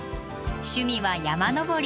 趣味は山登り。